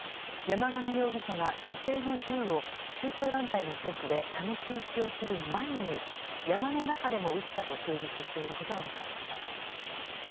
山上容疑者が手製の銃を宗教団体の施設で試し撃ちをする前に山の中でも撃ったと供述していることが分かりました。